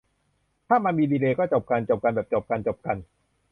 ถ้ามันมีดีเลย์ ก็จบกัน จบกันแบบจบกันจบกัน